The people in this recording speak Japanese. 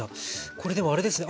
これでもあれですね。